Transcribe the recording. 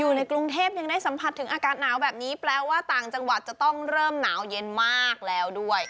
อยู่ในกรุงเทพยังได้สัมผัสถึงอากาศหนาวแบบนี้แปลว่าต่างจังหวัดจะต้องเริ่มหนาวเย็นมากแล้วด้วย